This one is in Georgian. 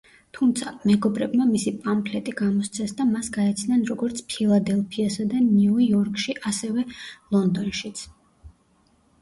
თუმცა, მეგობრებმა მისი პამფლეტი გამოსცეს და მას გაეცნენ როგორც ფილადელფიასა და ნიუ-იორკში, ასევე ლონდონშიც.